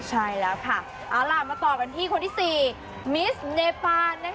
ใช่แล้วค่ะเอาล่ะมาต่อกันที่คนที่๔มิสเนปาน